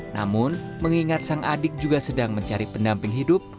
namun mengingat sang adik juga sedang mencari pendamping hidup